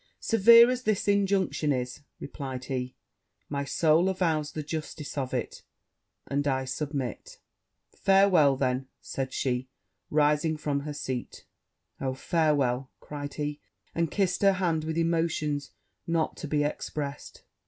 'Severe as this injunction is,' replied he, 'my soul avows the justice of it; and I submit.' 'Farewel, then!' said she, rising from her feet. 'Oh, farewel!' cried he, and kissed her hand with emotions not to be expressed.